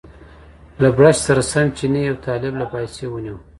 له بړچ سره سم چیني یو طالب له پایڅې ونیوه.